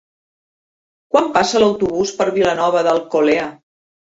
Quan passa l'autobús per Vilanova d'Alcolea?